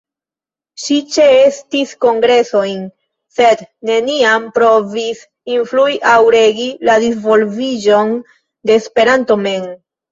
Ŝi ĉeestis kongresojn, sed neniam provis influi aŭ regi la disvolviĝon de Esperanto mem.